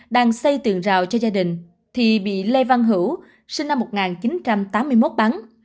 đang xây tường rào cho gia đình thì bị lê văn hữu sinh năm một nghìn chín trăm tám mươi một bắn